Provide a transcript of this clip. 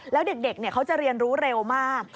แล้วเด็กเขาจะเรียนรู้เร็วมาก